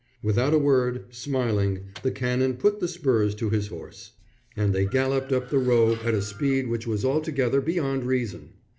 Without a word, smiling, the Canon put the spurs to his horse; and they galloped up the Row at a speed which was altogether beyond reason.